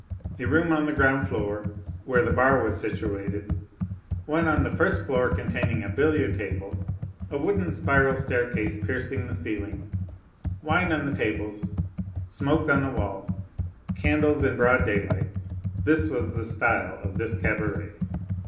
A room on the ground floor, where the bar was situated, one on the first floor containing a billiard table, a wooden spiral staircase piercing the ceiling, wine on the tables, smoke on the walls, candles in broad daylight,—this was the style of this cabaret.